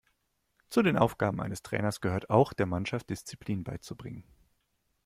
Zu den Aufgaben eines Trainers gehört auch, der Mannschaft Disziplin beizubringen.